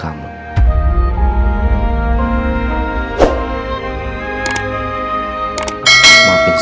saya akan membahagiakan kamu